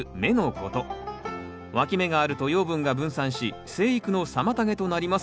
わき芽があると養分が分散し生育の妨げとなります。